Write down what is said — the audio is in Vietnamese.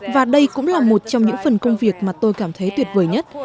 và đây cũng là một trong những phần công việc mà tôi cảm thấy tuyệt vời nhất